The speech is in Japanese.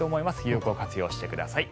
有効活用してください。